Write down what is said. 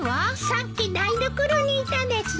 さっき台所にいたです。